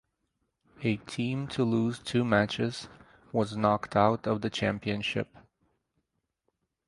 A team to lose two matches was knocked out of the championship.